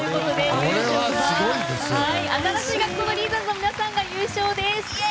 新しい学校のリーダーズの皆さんが優勝です。